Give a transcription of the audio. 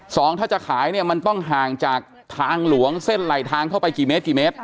สองถ้าจะขายเนี่ยมันต้องห่างจากทางหลวงเส้นไหลทางเข้าไปกี่เมตรกี่เมตร